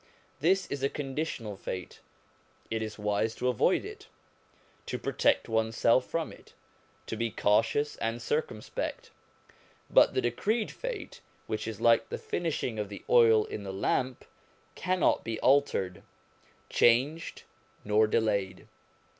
This is a conditional fate. It is wise to avoid it, to protect oneself from it, to be cautious and circumspect. But the decreed fate, which is like the finishing of the oil in the lamp, cannot be altered, changed, nor delayed.